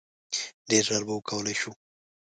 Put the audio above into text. ډیر ژر به وکولای شو.